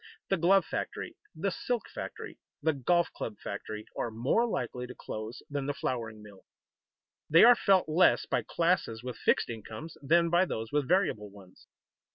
The glove factory, the silk factory, the golf club factory are more likely to close than the flouring mill. They are felt less by classes with fixed incomes than by those with variable ones.